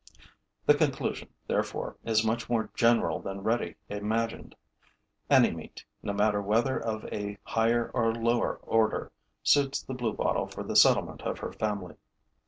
The conclusion, therefore, is much more general than Redi imagined. Any meat, no matter whether of a higher or lower order, suits the bluebottle for the settlement of her family.